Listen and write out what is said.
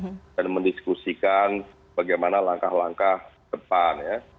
termasuk ptkm dan mendiskusikan bagaimana langkah langkah depan ya